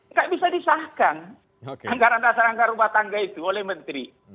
nggak bisa disahkan anggaran dasar anggaran rumah tangga itu oleh menteri